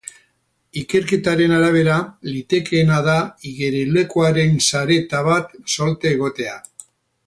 Ikerketaren arabera, litekeena da igerilekuaren sareta bat solte egotea.